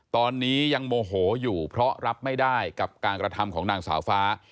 ตอนนี้ยังโมโหอยู่เพราะรับไม่ได้กับการกระทำของนางสาวฟ้า